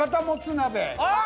ああ。